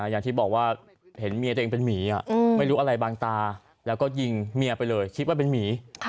อย่างที่บอกว่าเห็นเมียตัวเองเป็นหมีไม่รู้อะไรบางตาแล้วก็ยิงเมียไปเลยคิดว่าเป็นหมี